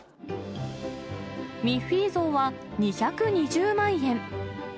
ミッフィー像は２２０万円。